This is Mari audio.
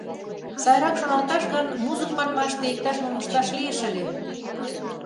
Сайрак шоналташ гын, музык манмаште иктаж-мом ышташ лиеш ыле.